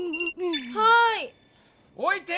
はい。